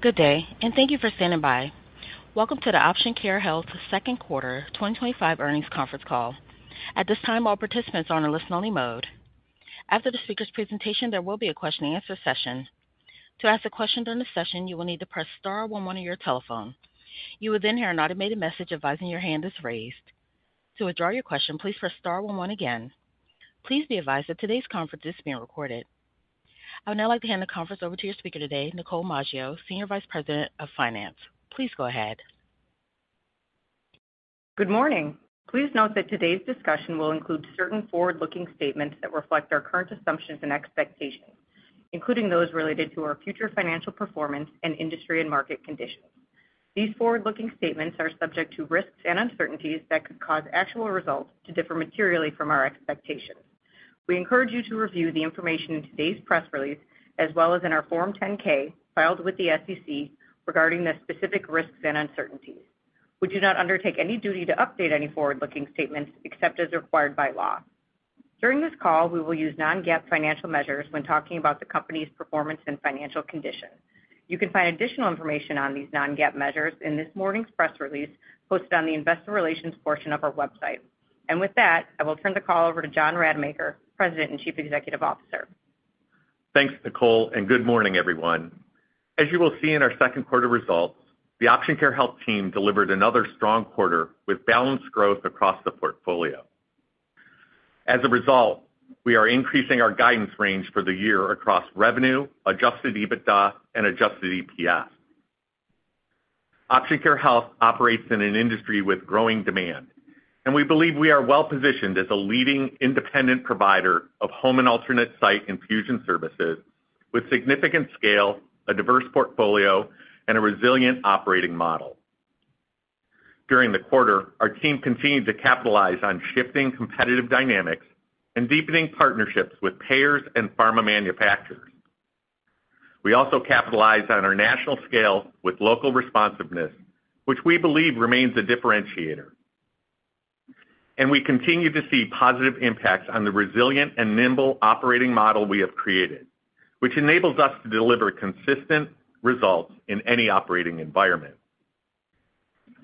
Good day, and thank you for standing by. Welcome to the Option Care Health Second Quarter 2025 Earnings Conference Call. At this time, all participants are in a listen-only mode. After the speaker's presentation, there will be a question-and-answer session. To ask a question during the session, you will need to press star one-one on your telephone. You will then hear an automated message advising your hand is raised. To withdraw your question, please press star one-one again. Please be advised that today's conference is being recorded. I would now like to hand the conference over to your speaker today, Nicole Maggio, Senior Vice President of Finance. Please go ahead. Good morning. Please note that today's discussion will include certain forward-looking statements that reflect our current assumptions and expectations, including those related to our future financial performance and industry and market conditions. These forward-looking statements are subject to risks and uncertainties that could cause actual results to differ materially from our expectations. We encourage you to review the information in today's press release, as well as in our Form 10-K filed with the SEC regarding the specific risks and uncertainties. We do not undertake any duty to update any forward-looking statements except as required by law. During this call, we will use non-GAAP financial measures when talking about the company's performance and financial condition. You can find additional information on these non-GAAP measures in this morning's press release posted on the Investor Relations portion of our website. With that, I will turn the call over to John Rademacher, President and Chief Executive Officer. Thanks, Nicole, and good morning, everyone. As you will see in our second quarter results, the Option Care Health team delivered another strong quarter with balanced growth across the portfolio. As a result, we are increasing our guidance range for the year across revenue, adjusted EBITDA, and adjusted EPS. Option Care Health operates in an industry with growing demand, and we believe we are well-positioned as a leading independent provider of home and alternate site infusion services with significant scale, a diverse portfolio, and a resilient operating model. During the quarter, our team continued to capitalize on shifting competitive dynamics and deepening partnerships with payers and pharma manufacturers. We also capitalized on our national scale with local responsiveness, which we believe remains a differentiator. We continue to see positive impacts on the resilient and nimble operating model we have created, which enables us to deliver consistent results in any operating environment.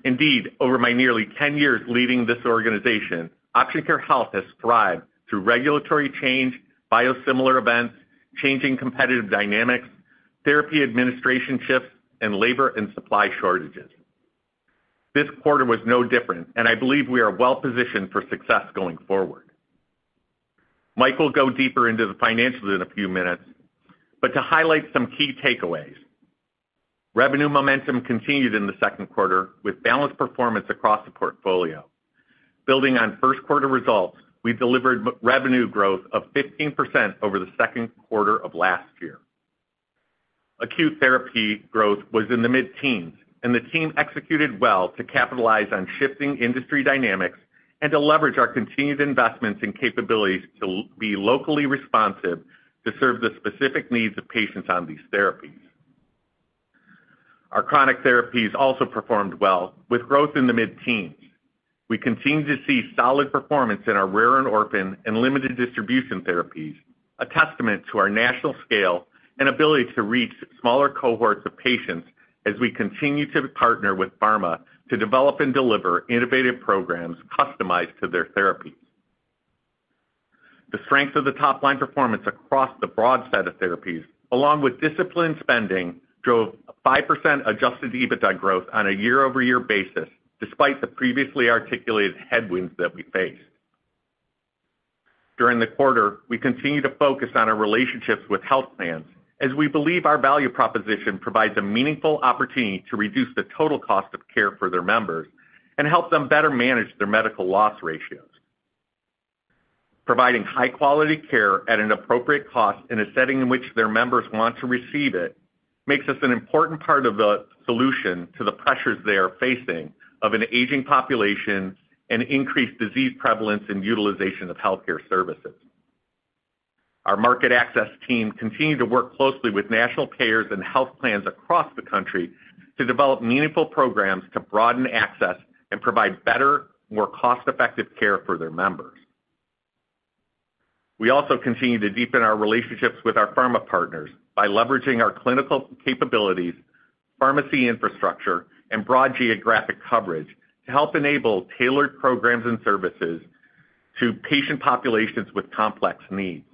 Indeed, over my nearly 10 years leading this organization, Option Care Health has thrived through regulatory change, biosimilar events, changing competitive dynamics, therapy administration shifts, and labor and supply shortages. This quarter was no different, and I believe we are well-positioned for success going forward. Mike will go deeper into the financials in a few minutes, but to highlight some key takeaways, revenue momentum continued in the second quarter with balanced performance across the portfolio. Building on first quarter results, we delivered revenue growth of 15% over the second quarter of last year. Acute therapy growth was in the mid-teens, and the team executed well to capitalize on shifting industry dynamics and to leverage our continued investments in capabilities to be locally responsive to serve the specific needs of patients on these therapies. Our chronic therapies also performed well with growth in the mid-teens. We continue to see solid performance in our rare and orphan and limited distribution therapies, a testament to our national scale and ability to reach smaller cohorts of patients as we continue to partner with pharma to develop and deliver innovative programs customized to their therapies. The strength of the top-line performance across the broad set of therapies, along with disciplined spending, drove 5% adjusted EBITDA growth on a year-over-year basis, despite the previously articulated headwinds that we faced. During the quarter, we continue to focus on our relationships with health plans, as we believe our value proposition provides a meaningful opportunity to reduce the total cost of care for their members and help them better manage their medical loss ratios. Providing high-quality care at an appropriate cost in a setting in which their members want to receive it makes us an important part of the solution to the pressures they are facing of an aging population and increased disease prevalence in utilization of healthcare services. Our market access team continued to work closely with national payers and health plans across the country to develop meaningful programs to broaden access and provide better, more cost-effective care for their members. We also continue to deepen our relationships with our pharma partners by leveraging our clinical capabilities, pharmacy infrastructure, and broad geographic coverage to help enable tailored programs and services to patient populations with complex needs.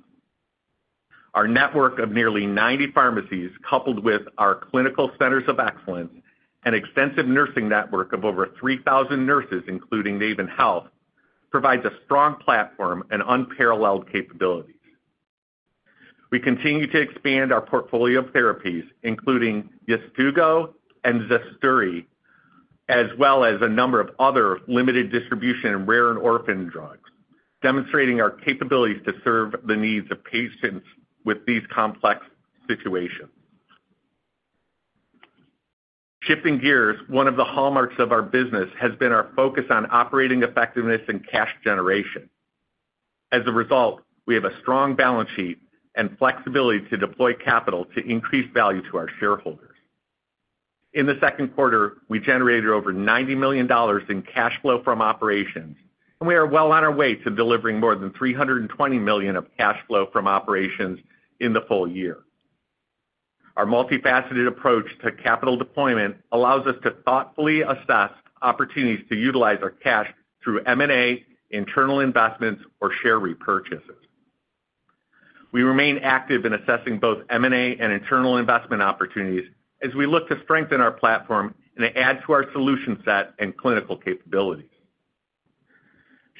Our network of nearly 90 pharmacies, coupled with our clinical centers of excellence and extensive nursing network of over 3,000 nurses, including Naven Health, provides a strong platform and unparalleled capabilities. We continue to expand our portfolio of therapies, including YEZTUGO and Stelara, as well as a number of other limited distribution and rare and orphan drugs, demonstrating our capabilities to serve the needs of patients with these complex situations. Shifting gears, one of the hallmarks of our business has been our focus on operating effectiveness and cash generation. As a result, we have a strong balance sheet and flexibility to deploy capital to increase value to our shareholders. In the second quarter, we generated over $90 million in cash flow from operations, and we are well on our way to delivering more than $320 million of cash flow from operations in the full year. Our multifaceted approach to capital deployment allows us to thoughtfully assess opportunities to utilize our cash through M&A, internal investments, or share repurchases. We remain active in assessing both M&A and internal investment opportunities as we look to strengthen our platform and add to our solution set and clinical capabilities.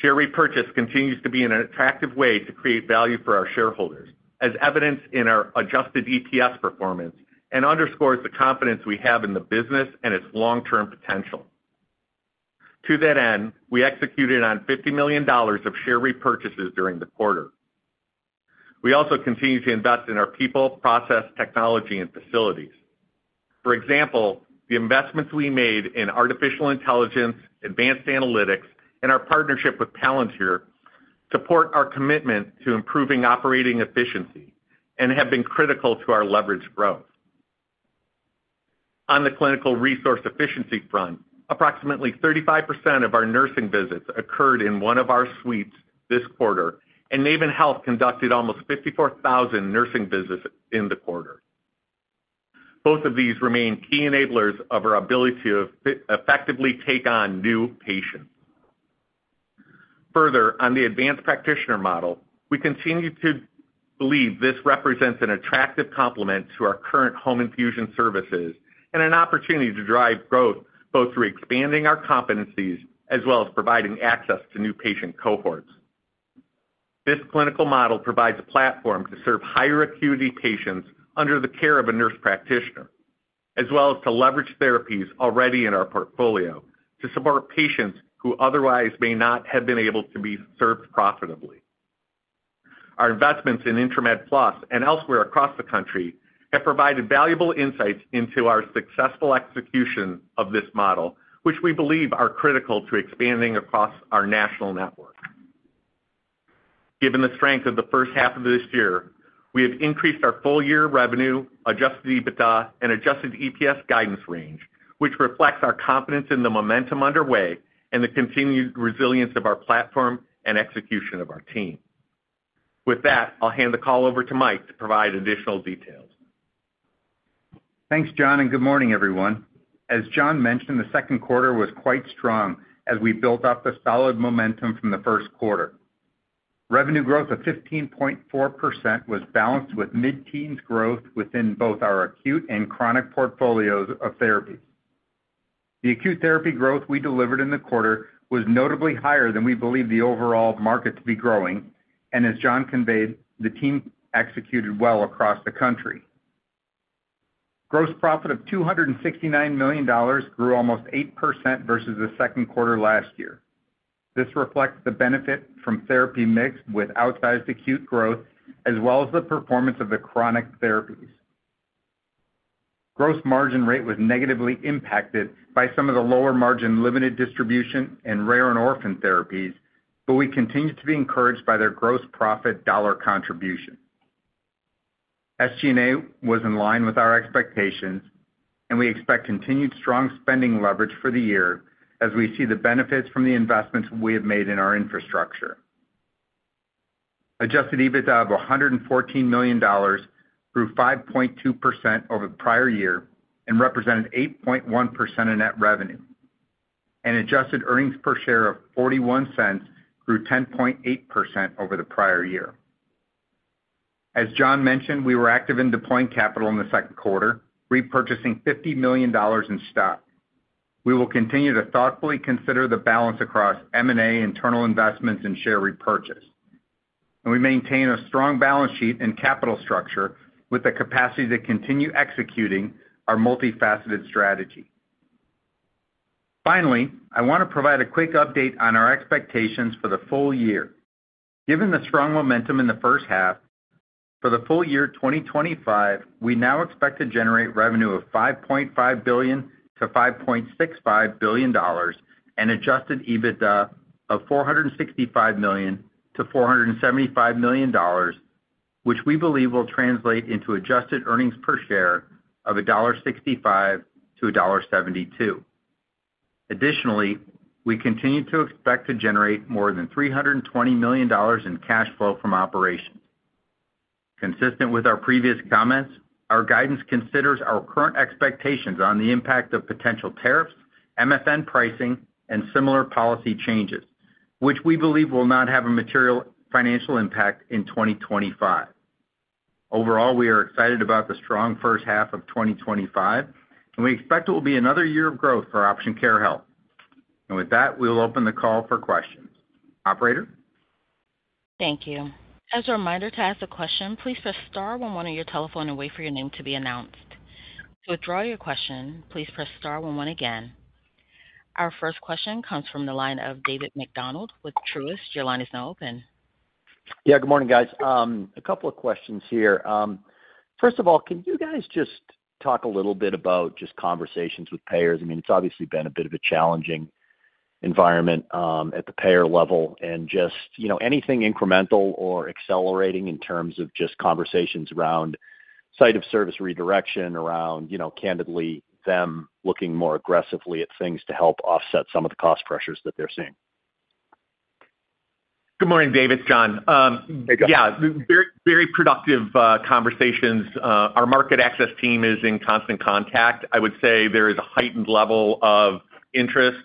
Share repurchase continues to be an attractive way to create value for our shareholders, as evidenced in our adjusted EPS performance, and underscores the confidence we have in the business and its long-term potential. To that end, we executed on $50 million of share repurchases during the quarter. We also continue to invest in our people, process, technology, and facilities. For example, the investments we made in artificial intelligence, advanced analytics, and our partnership with Palantir support our commitment to improving operating efficiency and have been critical to our leverage growth. On the clinical resource efficiency front, approximately 35% of our nursing visits occurred in one of our suites this quarter, and Naven Health conducted almost 54,000 nursing visits in the quarter. Both of these remain key enablers of our ability to effectively take on new patients. Further, on the advanced practitioner model, we continue to believe this represents an attractive complement to our current home infusion services and an opportunity to drive growth, both through expanding our competencies as well as providing access to new patient cohorts. This clinical model provides a platform to serve higher acuity patients under the care of a nurse practitioner, as well as to leverage therapies already in our portfolio to support patients who otherwise may not have been able to be served profitably. Our investments in Intramed Plus and elsewhere across the country have provided valuable insights into our successful execution of this model, which we believe are critical to expanding across our national network. Given the strength of the first half of this year, we have increased our full-year revenue, adjusted EBITDA, and adjusted EPS guidance range, which reflects our confidence in the momentum underway and the continued resilience of our platform and execution of our team. With that, I'll hand the call over to Mike to provide additional details. Thanks, John, and good morning, everyone. As John mentioned, the second quarter was quite strong as we built up a solid momentum from the first quarter. Revenue growth of 15.4% was balanced with mid-teens growth within both our acute and chronic portfolios of therapies. The acute therapy growth we delivered in the quarter was notably higher than we believed the overall market to be growing, and as John conveyed, the team executed well across the country. Gross profit of $269 million grew almost 8% versus the second quarter last year. This reflects the benefit from therapy mix with outsized acute growth, as well as the performance of the chronic therapies. Gross margin rate was negatively impacted by some of the lower margin limited distribution and rare and orphan therapies, but we continue to be encouraged by their gross profit dollar contribution. SG&A was in line with our expectations, and we expect continued strong spending leverage for the year as we see the benefits from the investments we have made in our infrastructure. Adjusted EBITDA of $114 million grew 5.2% over the prior year and represented 8.1% in net revenue. Adjusted earnings per share of $0.41 grew 10.8% over the prior year. As John mentioned, we were active in deploying capital in the second quarter, repurchasing $50 million in stock. We will continue to thoughtfully consider the balance across M&A, internal investments, and share repurchase. We maintain a strong balance sheet and capital structure with the capacity to continue executing our multifaceted strategy. Finally, I want to provide a quick update on our expectations for the full year. Given the strong momentum in the first half, for the full year 2025, we now expect to generate revenue of $5.5 billion-$5.65 billion and adjusted EBITDA of $465 million-$475 million, which we believe will translate into adjusted earnings per share of $1.65 to $1.72. Additionally, we continue to expect to generate more than $320 million in cash flow from operations. Consistent with our previous comments, our guidance considers our current expectations on the impact of potential tariffs, MFN pricing, and similar policy changes, which we believe will not have a material financial impact in 2025. Overall, we are excited about the strong first half of 2025, and we expect it will be another year of growth for Option Care Health. With that, we will open the call for questions. Operator? Thank you. As a reminder, to ask a question, please press star one-one on your telephone and wait for your name to be announced. To withdraw your question, please press star one-one again. Our first question comes from the line of David McDonald with Truist. Your line is now open. Yeah, good morning, guys. A couple of questions here. First of all, can you guys just talk a little bit about just conversations with payers? I mean, it's obviously been a bit of a challenging environment at the payer level, and just, you know, anything incremental or accelerating in terms of just conversations around site of service redirection, around, you know, candidly them looking more aggressively at things to help offset some of the cost pressures that they're seeing? Good morning, David. John. Hey, John. Very, very productive conversations. Our market access team is in constant contact. I would say there is a heightened level of interest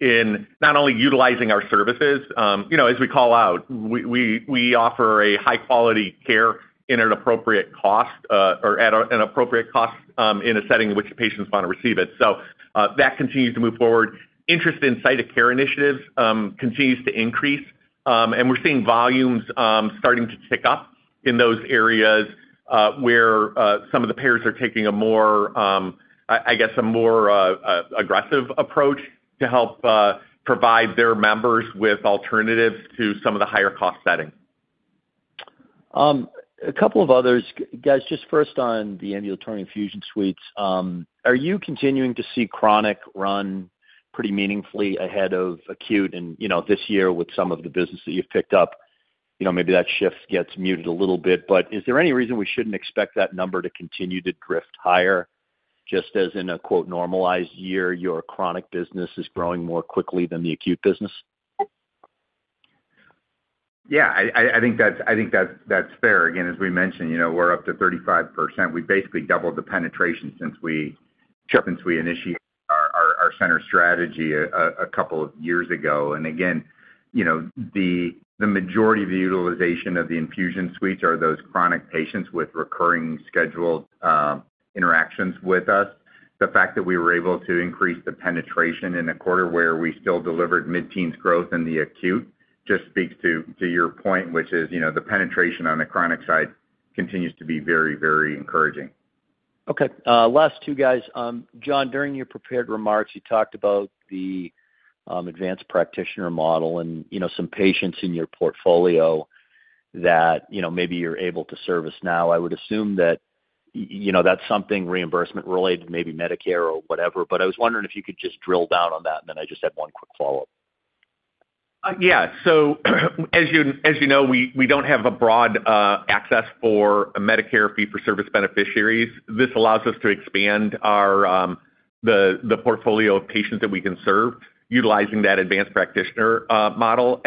in not only utilizing our services. As we call out, we offer high-quality care at an appropriate cost in a setting in which the patients want to receive it. That continues to move forward. Interest in site of care initiatives continues to increase, and we're seeing volumes starting to tick up in those areas where some of the payers are taking a more aggressive approach to help provide their members with alternatives to some of the higher cost settings. A couple of others, just first on the annual term infusion suites. Are you continuing to see chronic run pretty meaningfully ahead of acute? This year with some of the business that you've picked up, maybe that shift gets muted a little bit, but is there any reason we shouldn't expect that number to continue to drift higher just as in a "normalized" year, your chronic business is growing more quickly than the acute business? Yeah, I think that's fair. As we mentioned, we're up to 35%. We basically doubled the penetration since we initiated our center strategy a couple of years ago. The majority of the utilization of the infusion suites are those chronic patients with recurring scheduled interactions with us. The fact that we were able to increase the penetration in a quarter where we still delivered mid-teens growth in the acute just speaks to your point, which is the penetration on the chronic side continues to be very, very encouraging. Okay. Last two, guys. John, during your prepared remarks, you talked about the advanced practitioner model and, you know, some patients in your portfolio that, you know, maybe you're able to service now. I would assume that, you know, that's something reimbursement-related, maybe Medicare or whatever, but I was wondering if you could just drill down on that, and then I just had one quick follow-up. As you know, we don't have broad access for Medicare fee-for-service beneficiaries. This allows us to expand the portfolio of patients that we can serve utilizing that advanced practitioner model.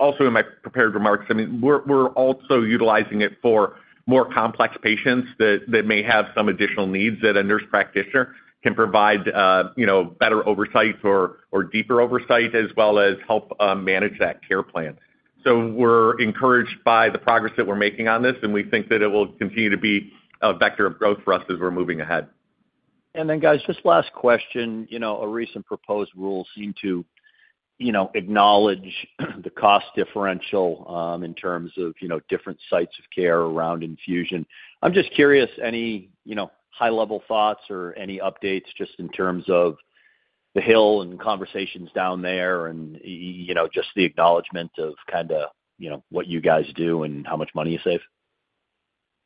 Also, in my prepared remarks, we're utilizing it for more complex patients that may have some additional needs that a nurse practitioner can provide, better oversight or deeper oversight, as well as help manage that care plan. We're encouraged by the progress that we're making on this, and we think that it will continue to be a vector of growth for us as we're moving ahead. Just last question, a recent proposed rule seemed to acknowledge the cost differential in terms of different sites of care around infusion. I'm just curious, any high-level thoughts or any updates in terms of the hill and conversations down there and the acknowledgment of what you guys do and how much money you save?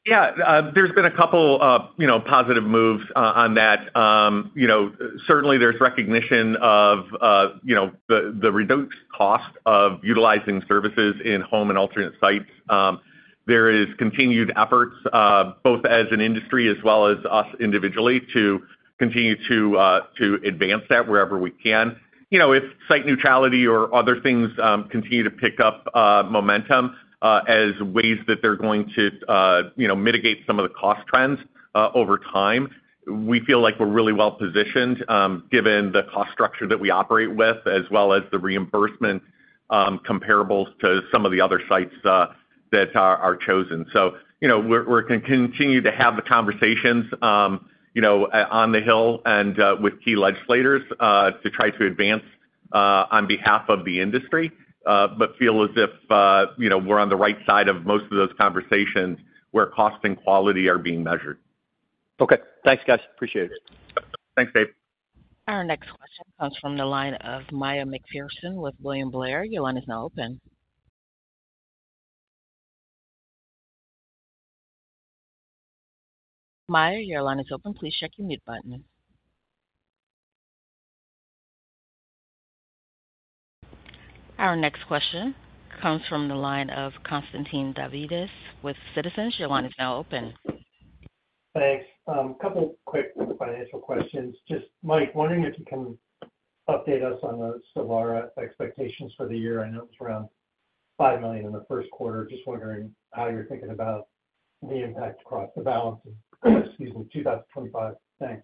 Yeah, there's been a couple positive moves on that. Certainly, there's recognition of the reduced cost of utilizing services in home and alternate sites. There are continued efforts, both as an industry as well as us individually, to continue to advance that wherever we can. If site neutrality or other things continue to pick up momentum as ways that they're going to mitigate some of the cost trends over time, we feel like we're really well positioned given the cost structure that we operate with, as well as the reimbursement comparables to some of the other sites that are chosen. We're going to continue to have the conversations on the hill and with key legislators to try to advance on behalf of the industry, but feel as if we're on the right side of most of those conversations where cost and quality are being measured. Okay, thanks, guys. Appreciate it. Thanks, Dave. Our next question comes from the line of Maya MacPherson with William Blair. Your line is now open. Maya, your line is open. Please check your mute button. Our next question comes from the line of Constantine Davides with Citizens. Your line is now open. Thanks. A couple of quick financial questions. Just, Mike, wondering if you can update us on the Stelara expectations for the year. I know it was around $5 million in the first quarter. Just wondering how you're thinking about the impact across the balance of, excuse me, 2025. Thanks.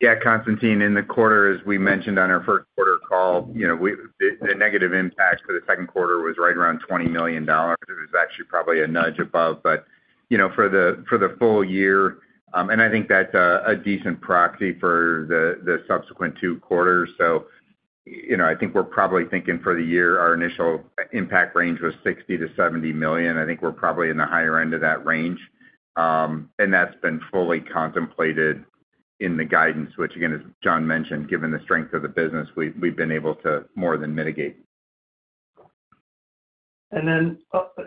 Yeah, Constantine, in the quarter, as we mentioned on our first quarter call, the negative impact for the second quarter was right around $20 million. It was actually probably a nudge above, but for the full year, and I think that's a decent proxy for the subsequent two quarters. I think we're probably thinking for the year, our initial impact range was $60 million-$70 million. I think we're probably in the higher end of that range. That's been fully contemplated in the guidance, which, again, as John mentioned, given the strength of the business, we've been able to more than mitigate.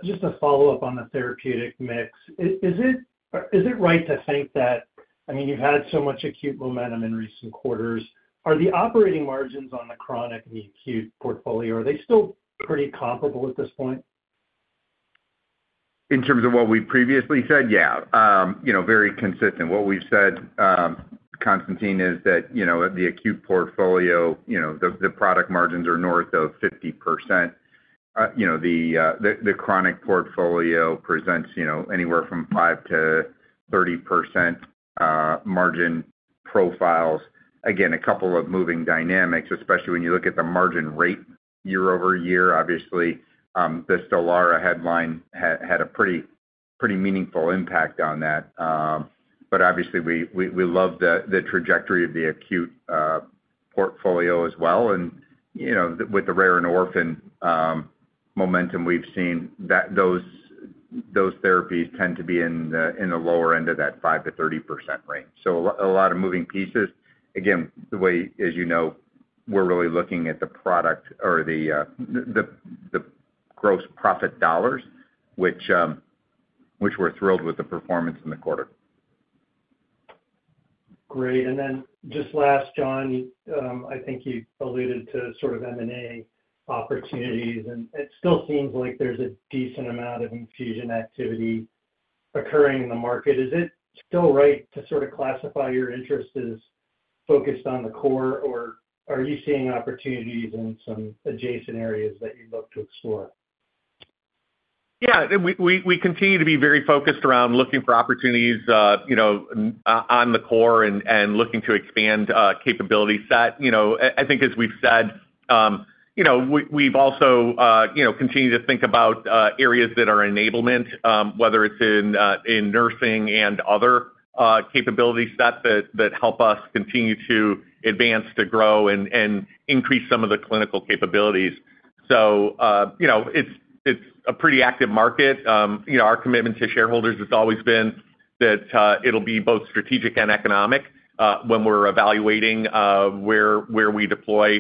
Just a follow-up on the therapeutic mix. Is it right to think that, I mean, you've had so much acute momentum in recent quarters, are the operating margins on the chronic and the acute portfolio, are they still pretty comparable at this point? In terms of what we previously said, yeah, you know, very consistent. What we've said, Constantine, is that, you know, the acute portfolio, you know, the product margins are north of 50%. You know, the chronic portfolio presents, you know, anywhere from 5%-30% margin profiles. Again, a couple of moving dynamics, especially when you look at the margin rate year-over-year. Obviously, the Stelara headline had a pretty, pretty meaningful impact on that. Obviously, we love the trajectory of the acute portfolio as well. You know, with the rare and orphan momentum we've seen, those therapies tend to be in the lower end of that 5%-30% range. A lot of moving pieces. Again, the way, as you know, we're really looking at the product or the gross profit dollars, which we're thrilled with the performance in the quarter. Great. Just last, John, I think you alluded to sort of M&A opportunities, and it still seems like there's a decent amount of infusion activity occurring in the market. Is it still right to sort of classify your interests as focused on the core, or are you seeing opportunities in some adjacent areas that you'd love to explore? We continue to be very focused around looking for opportunities on the core and looking to expand capability set. I think, as we've said, we've also continued to think about areas that are enablement, whether it's in nursing and other capability sets that help us continue to advance, to grow, and increase some of the clinical capabilities. It's a pretty active market. Our commitment to shareholders has always been that it'll be both strategic and economic when we're evaluating where we deploy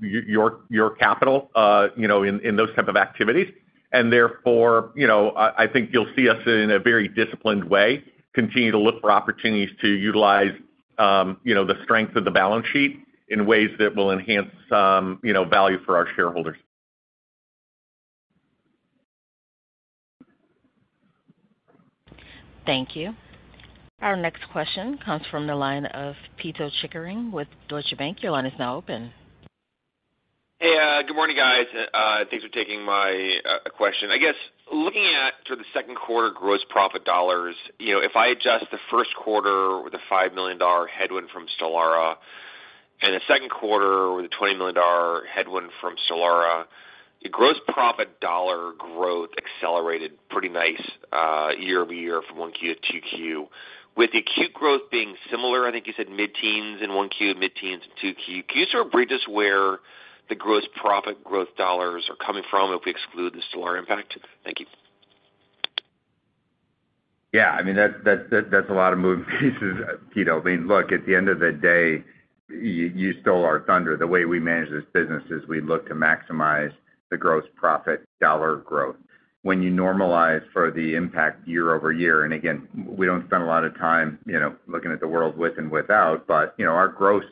your capital in those types of activities. Therefore, I think you'll see us in a very disciplined way continue to look for opportunities to utilize the strength of the balance sheet in ways that will enhance value for our shareholders. Thank you. Our next question comes from the line of Pito Chickering with Deutsche Bank. Your line is now open. Hey, good morning, guys. Thanks for taking my question. I guess looking at sort of the second quarter gross profit dollars, you know, if I adjust the first quarter with a $5 million headwind from Stelara and the second quarter with a $20 million headwind from Stelara, the gross profit dollar growth accelerated pretty nice year-over-year from Q1 to Q2. With the acute growth being similar, I think you said mid-teens in Q1, mid-teens in Q2. Can you sort of brief us where the gross profit growth dollars are coming from if we exclude the Stelara impact? Thank you. Yeah, I mean, that's a lot of moving pieces, Pito. At the end of the day, you stole our thunder. The way we manage this business is we look to maximize the gross profit dollar growth. When you normalize for the impact year-over-year, and again, we don't spend a lot of time looking at the world with and without, but our gross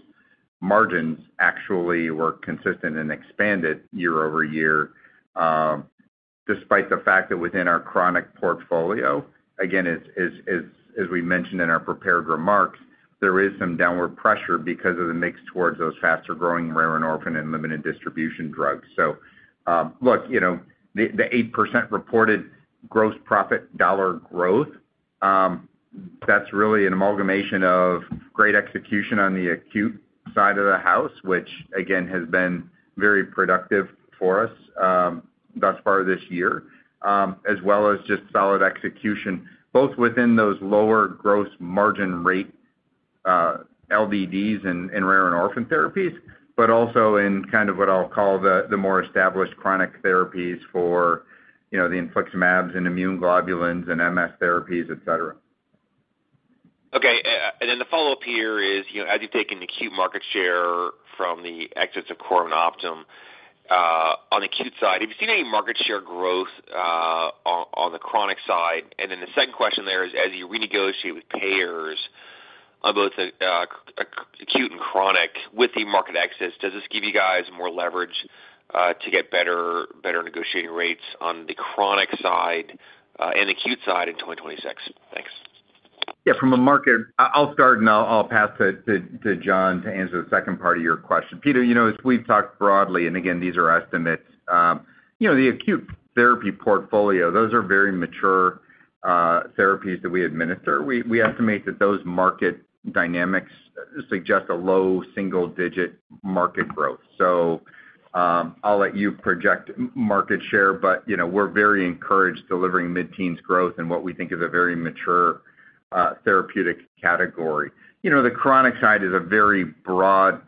margins actually were consistent and expanded year-over-year. Despite the fact that within our chronic portfolio, as we mentioned in our prepared remarks, there is some downward pressure because of the mix towards those faster growing rare and orphan and limited distribution drugs. The 8% reported gross profit dollar growth is really an amalgamation of great execution on the acute side of the house, which has been very productive for us thus far this year, as well as just solid execution both within those lower gross margin rate LDDs and rare and orphan therapies, but also in what I'll call the more established chronic therapies for the infliximabs and immune globulins and MS therapies, et cetera. Okay. The follow-up here is, you know, as you've taken acute market share from the exits of Corwin and Optum on the acute side, have you seen any market share growth on the chronic side? The second question there is, as you renegotiate with payers on both the acute and chronic with the market exits, does this give you guys more leverage to get better negotiating rates on the chronic side and the acute side in 2026? Thanks. From a market, I'll start and I'll pass to John to answer the second part of your question. Pito, as we've talked broadly, and again, these are estimates, the acute therapy portfolio, those are very mature therapies that we administer. We estimate that those market dynamics suggest a low single-digit market growth. I'll let you project market share, but we're very encouraged delivering mid-teens growth in what we think is a very mature therapeutic category. The chronic side is a very broad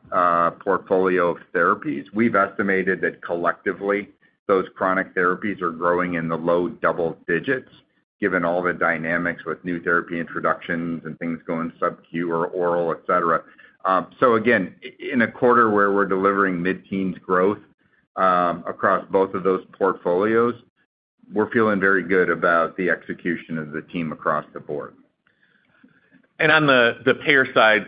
portfolio of therapies. We've estimated that collectively, those chronic therapies are growing in the low double digits given all the dynamics with new therapy introductions and things going sub-Q or oral, etc. In a quarter where we're delivering mid-teens growth across both of those portfolios, we're feeling very good about the execution of the team across the board. On the payer side,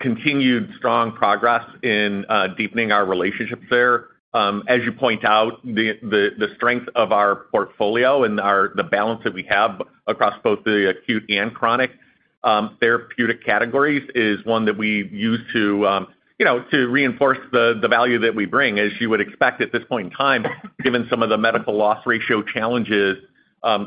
continued strong progress in deepening our relationships there. As you point out, the strength of our portfolio and the balance that we have across both the acute and chronic therapeutic categories is one that we use to reinforce the value that we bring. As you would expect at this point in time, given some of the medical loss ratio challenges,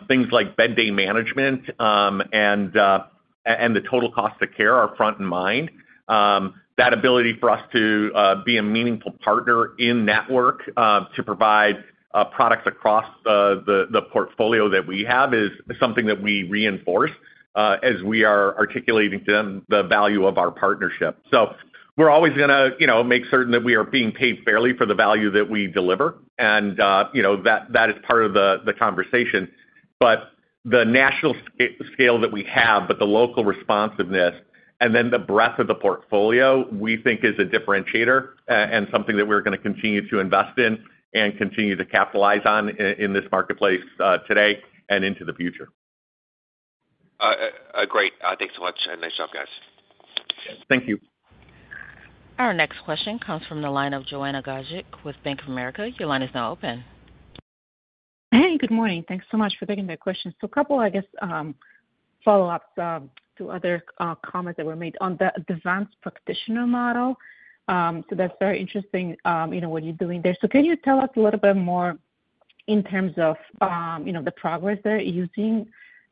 things like bed day management and the total cost of care are front in mind. That ability for us to be a meaningful partner in network to provide products across the portfolio that we have is something that we reinforce as we are articulating to them the value of our partnership. We are always going to make certain that we are being paid fairly for the value that we deliver. That is part of the conversation. The national scale that we have, the local responsiveness, and then the breadth of the portfolio, we think is a differentiator and something that we are going to continue to invest in and continue to capitalize on in this marketplace today and into the future. Great. Thanks so much. Nice job, guys. Thank you. Our next question comes from the line of Joanna Gajuk with Bank of America. Your line is now open. Hey, good morning. Thanks so much for taking that question. A couple follow-ups to other comments that were made on the advanced practitioner model. That's very interesting, you know, what you're doing there. Can you tell us a little bit more in terms of the progress there using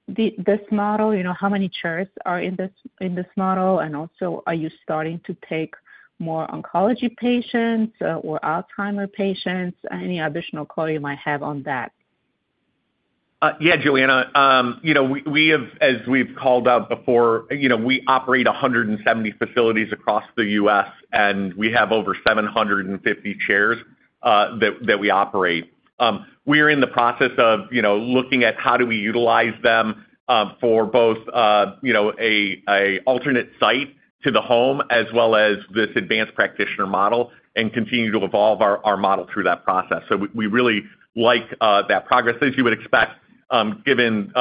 this model? How many chairs are in this model? Also, are you starting to take more oncology patients or Alzheimer patients? Any additional query you might have on that? Yeah, Joanna. We have, as we've called out before, we operate 170 facilities across the U.S., and we have over 750 chairs that we operate. We are in the process of looking at how do we utilize them for both an alternate site to the home, as well as this advanced practitioner model, and continue to evolve our model through that process. We really like that progress. As you would expect, given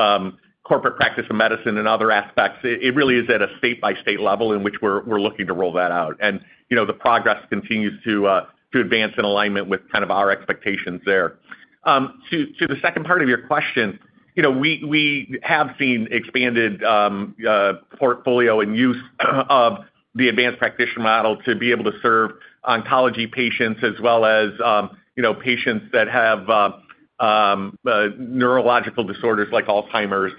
corporate practice of medicine and other aspects, it really is at a state-by-state level in which we're looking to roll that out. The progress continues to advance in alignment with our expectations there. To the second part of your question, we have seen expanded portfolio and use of the advanced practitioner model to be able to serve oncology patients as well as patients that have neurological disorders like Alzheimer's.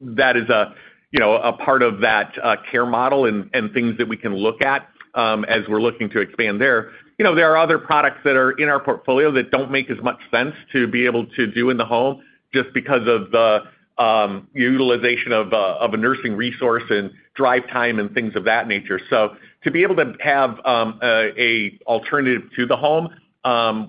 That is a part of that care model and things that we can look at as we're looking to expand there. There are other products that are in our portfolio that don't make as much sense to be able to do in the home just because of the utilization of a nursing resource and drive time and things of that nature. To be able to have an alternative to the home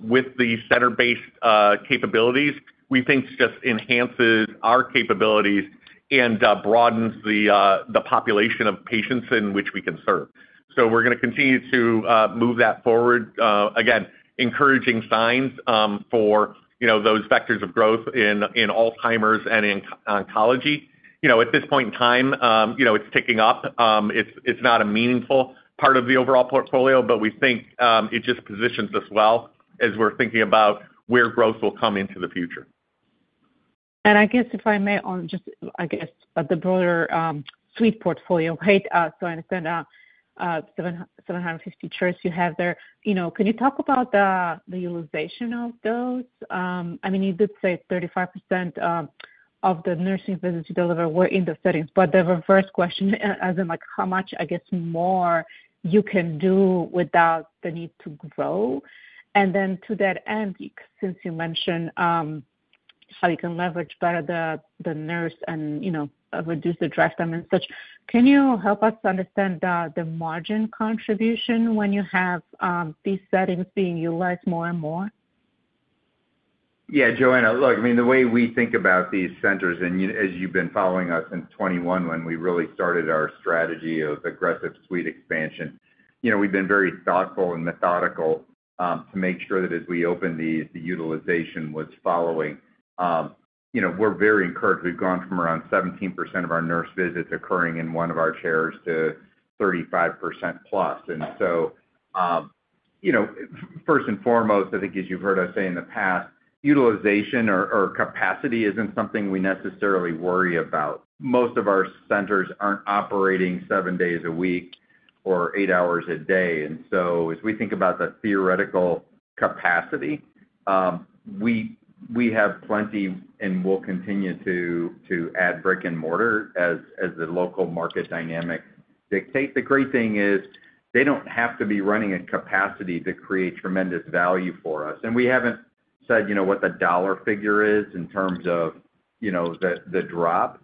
with the center-based capabilities, we think just enhances our capabilities and broadens the population of patients in which we can serve. We are going to continue to move that forward. Again, encouraging signs for those vectors of growth in Alzheimer's and in oncology. At this point in time, it's ticking up. It's not a meaningful part of the overall portfolio, but we think it just positions us well as we're thinking about where growth will come into the future. I guess the broader suite portfolio, right? I understand 750 chairs you have there. Can you talk about the utilization of those? You did say 35% of the nursing visits you deliver were in those settings, but the reverse question is how much more you can do without the need to grow. To that end, since you mentioned how you can leverage better the nurse and reduce the drive time and such, can you help us understand the margin contribution when you have these settings being utilized more and more? Yeah, Joanna, look, I mean, the way we think about these centers and as you've been following us since 2021 when we really started our strategy of aggressive suite expansion, we've been very thoughtful and methodical to make sure that as we opened these, the utilization was following. We're very encouraged. We've gone from around 17% of our nurse visits occurring in one of our chairs to 35% plus. First and foremost, I think as you've heard us say in the past, utilization or capacity isn't something we necessarily worry about. Most of our centers aren't operating seven days a week or eight hours a day. As we think about the theoretical capacity, we have plenty and will continue to add brick and mortar as the local market dynamics dictate. The great thing is they don't have to be running at capacity to create tremendous value for us. We haven't said what the dollar figure is in terms of the drop.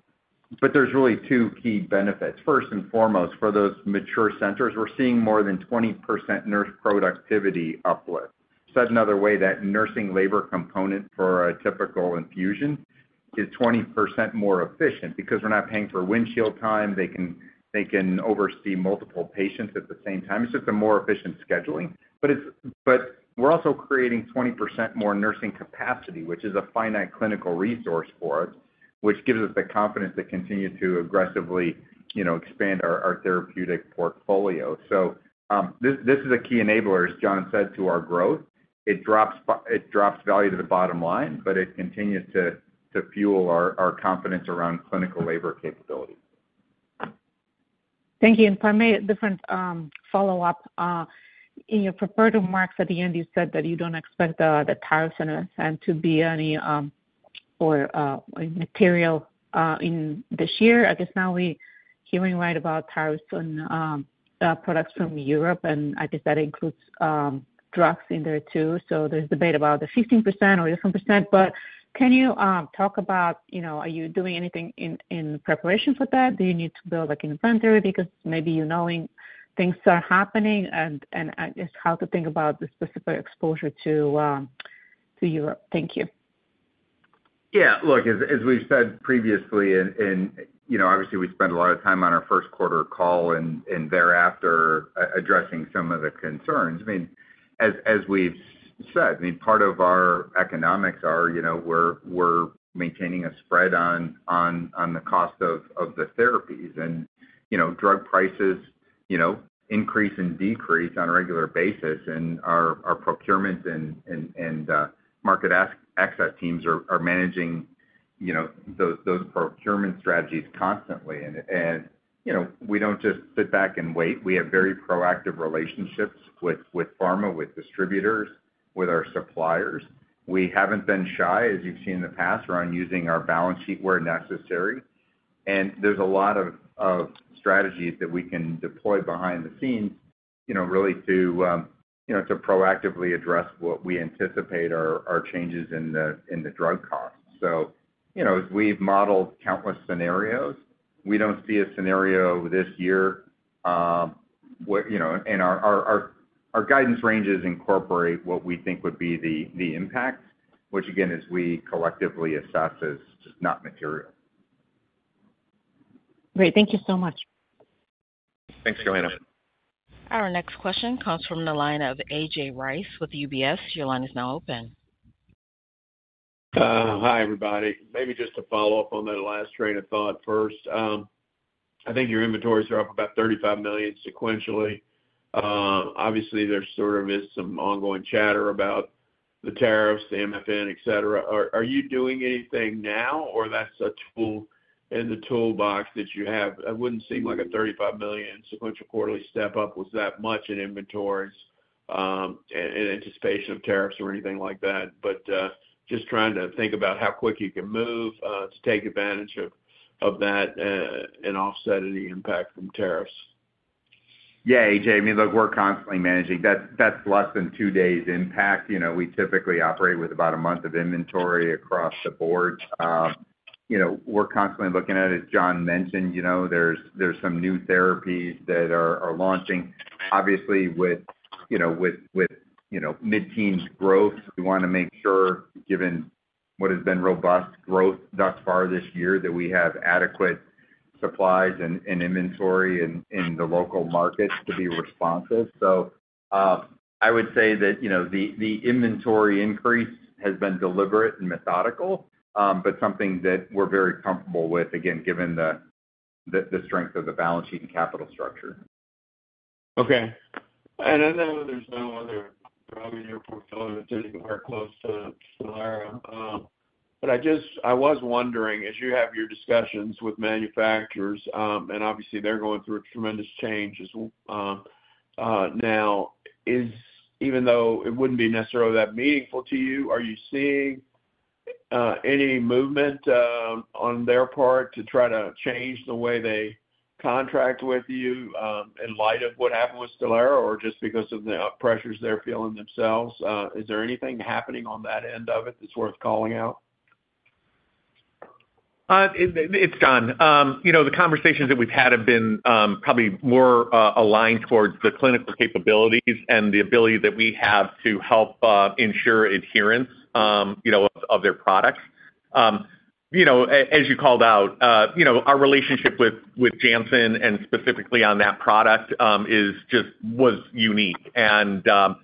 There are really two key benefits. First and foremost, for those mature centers, we're seeing more than 20% nurse productivity uplift. Said another way, that nursing labor component for a typical infusion is 20% more efficient because we're not paying for windshield time. They can oversee multiple patients at the same time. It's just a more efficient scheduling. We're also creating 20% more nursing capacity, which is a finite clinical resource for us, which gives us the confidence to continue to aggressively expand our therapeutic portfolio. This is a key enabler, as John said, to our growth. It drops value to the bottom line, but it continues to fuel our confidence around clinical labor capability. Thank you. If I may, a different follow-up, in your prepared remarks at the end, you said that you don't expect the Tyrosin to be any material in this year. I guess now we're hearing right about Tyrosin products from Europe, and I guess that includes drugs in there too. There's a debate about the 15% or 11%. Can you talk about, you know, are you doing anything in preparation for that? Do you need to build like an inventory because maybe you know things are happening? I guess how to think about the specific exposure to Europe? Thank you. Yeah, look, as we've said previously, we spent a lot of time on our first quarter call and thereafter addressing some of the concerns. As we've said, part of our economics are we're maintaining a spread on the cost of the therapies. Drug prices increase and decrease on a regular basis. Our procurement and market asset teams are managing those procurement strategies constantly. We don't just sit back and wait. We have very proactive relationships with pharma, with distributors, with our suppliers. We haven't been shy, as you've seen in the past, around using our balance sheet where necessary. There are a lot of strategies that we can deploy behind the scenes to proactively address what we anticipate are changes in the drug costs. As we've modeled countless scenarios, we don't see a scenario this year, and our guidance ranges incorporate what we think would be the impact, which, again, as we collectively assess, is just not material. Great. Thank you so much. Thanks, Joanna. Our next question comes from the line of AJ Rice with UBS. Your line is now open. Hi, everybody. Maybe just to follow up on that last train of thought first. I think your inventories are up about $35 million sequentially. Obviously, there is some ongoing chatter about the tariffs, the MFN, etc. Are you doing anything now, or is that a tool in the toolbox that you have? It wouldn't seem like a $35 million sequential quarterly step-up was that much in inventories in anticipation of tariffs or anything like that. Just trying to think about how quick you can move to take advantage of that and offset any impact from tariffs. Yeah, A.J., I mean, look, we're constantly managing. That's less than two days' impact. We typically operate with about a month of inventory across the board. We're constantly looking at it. As John mentioned, there's some new therapies that are launching. Obviously, with mid-teens growth, we want to make sure, given what has been robust growth thus far this year, that we have adequate supplies and inventory in the local markets to be responsive. I would say that the inventory increase has been deliberate and methodical, but something that we're very comfortable with, again, given the strength of the balance sheet and capital structure. Okay. I know there's no other drug in your portfolio that's anywhere close to Stelara. I was wondering, as you have your discussions with manufacturers, and obviously, they're going through a tremendous change as well now, even though it wouldn't be necessarily that meaningful to you, are you seeing any movement on their part to try to change the way they contract with you in light of what happened with Stelara or just because of the pressures they're feeling themselves? Is there anything happening on that end of it that's worth calling out? It's gone. The conversations that we've had have been probably more aligned towards the clinical capabilities and the ability that we have to help ensure adherence of their products. As you called out, our relationship with Janssen and specifically on that product was unique. Across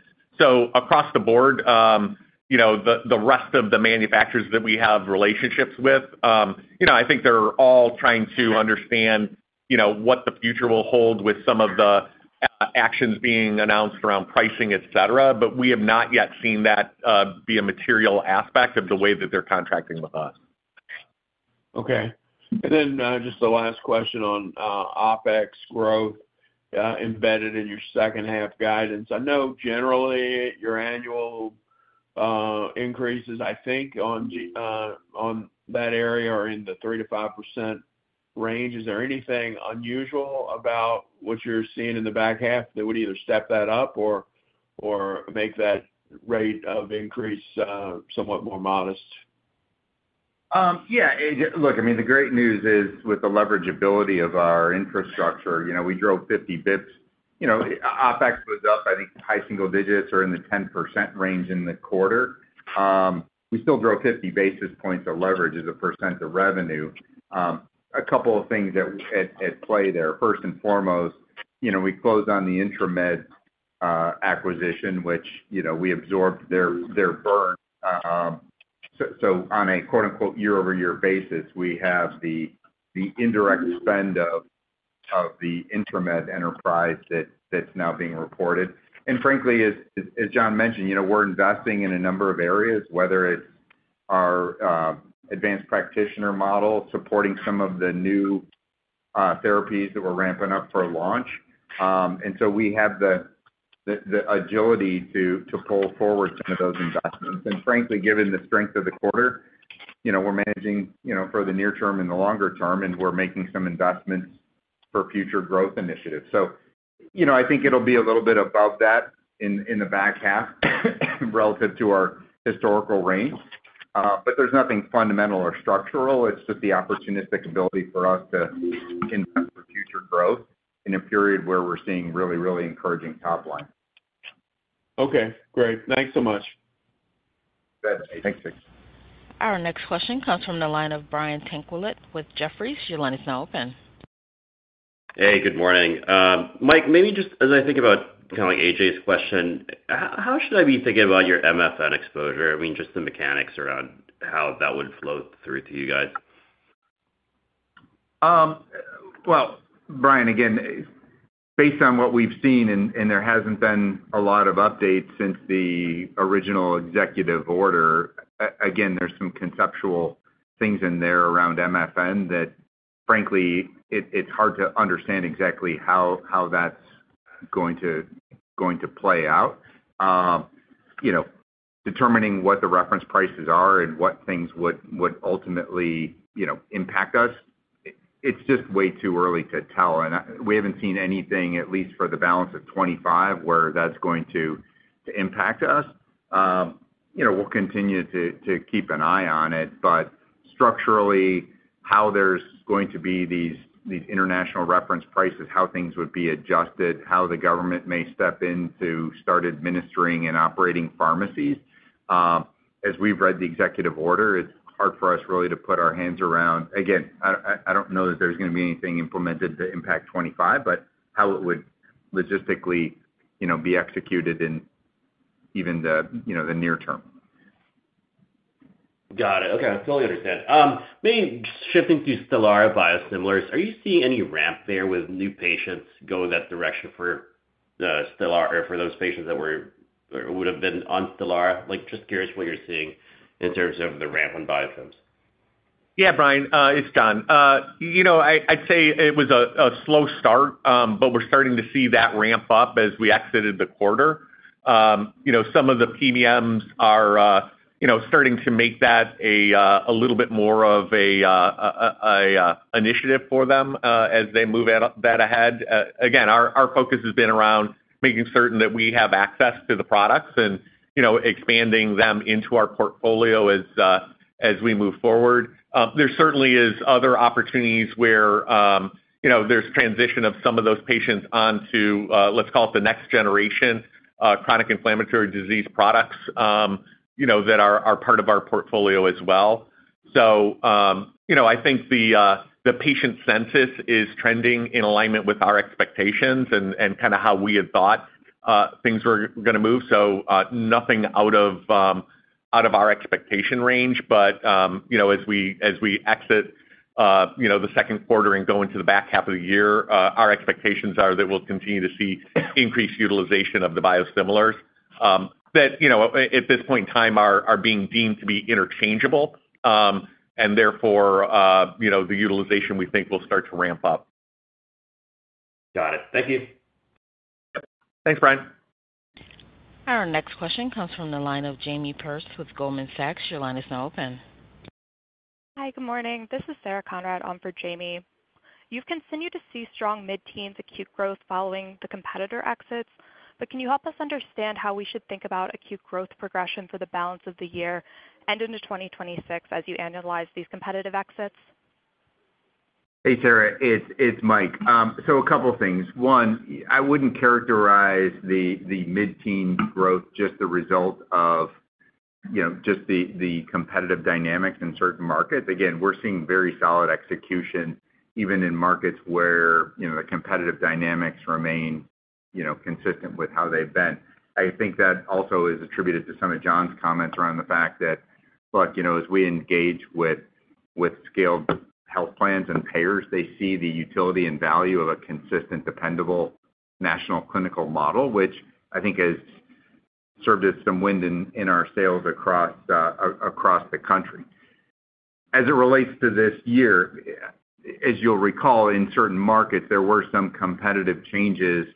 the board, the rest of the manufacturers that we have relationships with, I think they're all trying to understand what the future will hold with some of the actions being announced around pricing, etc. We have not yet seen that be a material aspect of the way that they're contracting with us. Okay. Just the last question on OpEx growth embedded in your second-half guidance. I know generally your annual increases, I think, on that area are in the 3%-5% range. Is there anything unusual about what you're seeing in the back half that would either step that up or make that rate of increase somewhat more modest? Yeah. Look, I mean, the great news is with the leverageability of our infrastructure, you know, we drove 50 bps. You know, OpEx was up, I think, high single digits or in the 10% range in the quarter. We still drove 50 basis points of leverage as a percent of revenue. A couple of things that are at play there. First and foremost, you know, we closed on the Intramed acquisition, which, you know, we absorbed their burn. On a "year-over-year" basis, we have the indirect spend of the Intramed enterprise that's now being reported. Frankly, as John mentioned, you know, we're investing in a number of areas, whether it's our advanced practitioner model supporting some of the new therapies that we're ramping up for launch. We have the agility to pull forward some of those investments. Frankly, given the strength of the quarter, you know, we're managing, you know, for the near term and the longer term, and we're making some investments for future growth initiatives. I think it'll be a little bit above that in the back half relative to our historical range. There's nothing fundamental or structural. It's just the opportunistic ability for us to invest for future growth in a period where we're seeing really, really encouraging top line. Okay. Great, thanks so much. Thanks, A.J. Thanks, A.J. Our next question comes from the line of Brian Tanquilut with Jefferies. Your line is now open. Hey, good morning. Mike, maybe just as I think about kind of like A.J.'s question, how should I be thinking about your MFN exposure? I mean, just the mechanics around how that would flow through to you guys? Brian, again, based on what we've seen, and there hasn't been a lot of updates since the original executive order, there's some conceptual things in there around MFN that, frankly, it's hard to understand exactly how that's going to play out. Determining what the reference prices are and what things would ultimately impact us, it's just way too early to tell. We haven't seen anything, at least for the balance of 2025, where that's going to impact us. We'll continue to keep an eye on it. Structurally, how there's going to be these international reference prices, how things would be adjusted, how the government may step in to start administering and operating pharmacies. As we've read the executive order, it's hard for us really to put our hands around. I don't know that there's going to be anything implemented to impact 2025, but how it would logistically be executed in even the near term. Got it. Okay. I totally understand. Maybe shifting to Stelara biosimilars, are you seeing any ramp there with new patients going that direction for Stelara or for those patients that would have been on Stelara? I'm just curious what you're seeing in terms of the ramp on biosimilars. Yeah, Brian, it's John. I'd say it was a slow start, but we're starting to see that ramp up as we exited the quarter. Some of the PBMs are starting to make that a little bit more of an initiative for them as they move that ahead. Again, our focus has been around making certain that we have access to the products and expanding them into our portfolio as we move forward. There certainly are other opportunities where there's transition of some of those patients onto, let's call it the next generation chronic inflammatory disease products that are part of our portfolio as well. I think the patient census is trending in alignment with our expectations and kind of how we had thought things were going to move. Nothing out of our expectation range. As we exit the second quarter and go into the back half of the year, our expectations are that we'll continue to see increased utilization of the biosimilars that at this point in time are being deemed to be interchangeable. Therefore, the utilization we think will start to ramp up. Got it. Thank you. Thanks, Brian. Our next question comes from the line of Jamie Pearce with Goldman Sachs. Your line is now open. Hi, good morning. This is Sarah Conrad on for Jamie. You've continued to see strong mid-teens acute growth following the competitor exits, but can you help us understand how we should think about acute growth progression for the balance of the year and into 2026 as you analyze these competitive exits? Hey, Sarah. It's Mike. A couple of things. One, I wouldn't characterize the mid-teens growth just the result of the competitive dynamics in certain markets. We're seeing very solid execution even in markets where the competitive dynamics remain consistent with how they've been. I think that also is attributed to some of John's comments around the fact that, as we engage with scaled health plans and payers, they see the utility and value of a consistent, dependable national clinical model, which I think has served as some wind in our sails across the country. As it relates to this year, as you'll recall, in certain markets, there were some competitive changes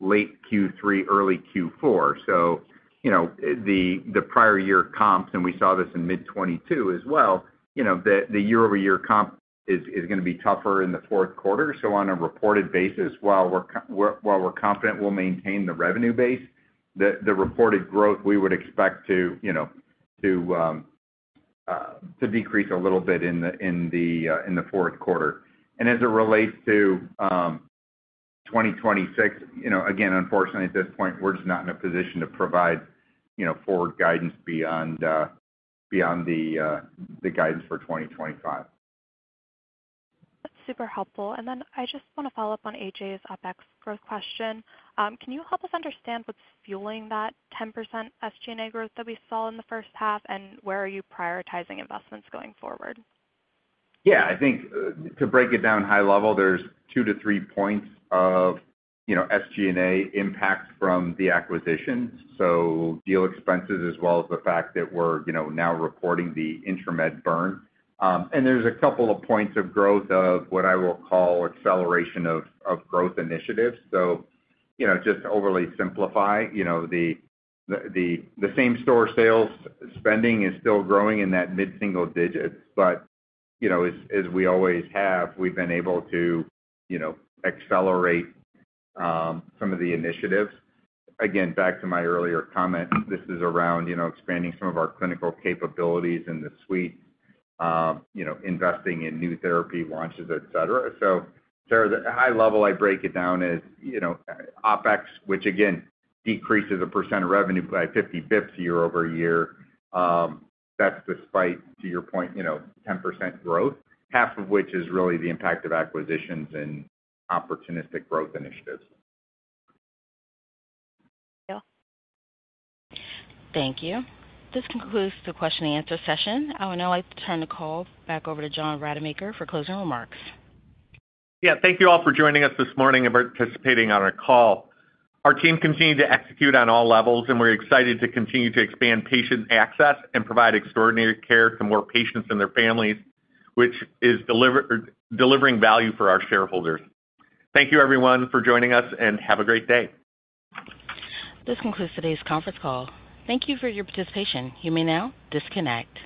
late Q3, early Q4. The prior year comps, and we saw this in mid 2022 as well, the year-over-year comp is going to be tougher in the fourth quarter. On a reported basis, while we're confident we'll maintain the revenue base, the reported growth we would expect to decrease a little bit in the fourth quarter. As it relates to 2026, unfortunately, at this point, we're just not in a position to provide forward guidance beyond the guidance for 2025. That's super helpful. I just want to follow up on A.J.'s OpEx growth question. Can you help us understand what's fueling that 10% SG&A growth that we saw in the first half, and where are you prioritizing investments going forward? Yeah, I think to break it down high level, there's two to three points of, you know, SG&A impact from the acquisition. Deal expenses, as well as the fact that we're, you know, now reporting the Intramed burn. There's a couple of points of growth of what I will call acceleration of growth initiatives. Just to overly simplify, you know, the same store sales spending is still growing in that mid-single digits. As we always have, we've been able to, you know, accelerate some of the initiatives. Again, back to my earlier comment, this is around, you know, expanding some of our clinical capabilities in the suite, you know, investing in new therapy launches, etc. Sarah, the high level I break it down is, you know, OpEx, which again decreases a percent of revenue by 50 bps year-over-year. That's despite, to your point, you know, 10% growth, half of which is really the impact of acquisitions and opportunistic growth initiatives. Thank you. This concludes the question and answer session. I would now like to turn the call back over to John Rademacher for closing remarks. Thank you all for joining us this morning and participating on our call. Our team continued to execute on all levels, and we're excited to continue to expand patient access and provide extraordinary care to more patients and their families, which is delivering value for our shareholders. Thank you, everyone, for joining us, and have a great day. This concludes today's conference call. Thank you for your participation. You may now disconnect.